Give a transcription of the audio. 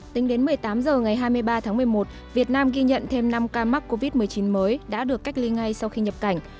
tính đến một mươi tám h ngày hai mươi ba tháng một mươi một việt nam ghi nhận thêm năm ca mắc covid một mươi chín mới đã được cách ly ngay sau khi nhập cảnh